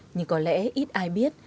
nhưng có lẽ ít ai biết